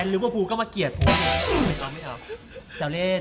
หรือว่าภูก็มาเกลียดฟู